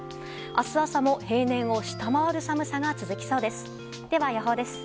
明日朝も平年を下回る寒さが続きそうです。